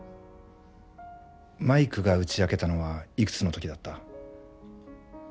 マイクが打ち明けたのはいくつの時だった？